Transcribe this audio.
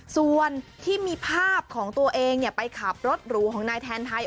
ส่วนที่มีภาพของตัวเองไปขับรถหรูของนายแทนไทย